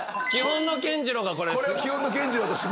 基本のケンジローがこれ。